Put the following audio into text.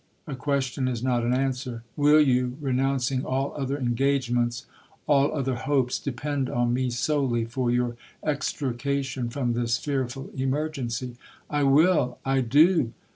'—'A question is not an answer. Will you, renouncing all other engagements, all other hopes, depend on me solely for your extrication from this fearful emergency?'—'I will—I do!'